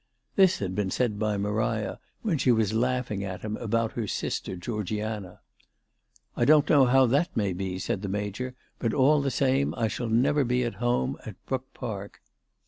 This had heen said by Maria when she was laughing at him about her sister Georgiana. " I don't know how that may be," said the Major ;" but all the same I shall never be at home at Brook Park."